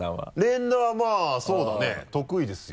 連打はまぁそうだね得意ですよ。